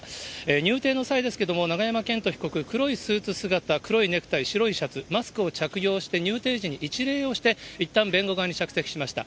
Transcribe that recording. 入廷の際ですけれども、永山絢斗被告、黒いスーツ姿、黒いネクタイ、白いシャツ、マスクを着用して入廷時に一礼をして、いったん弁護側に着席しました。